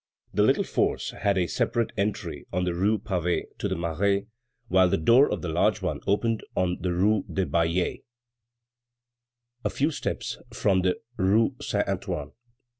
The little Force had a separate entry on the rue Pavée to the Marais, while the door of the large one opened on the rue des Ballets, a few steps from the rue Saint Antoine.